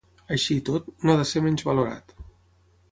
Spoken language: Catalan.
Així i tot, no ha de ser menysvalorat.